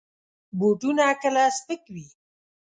بوټونه کله سپک وي.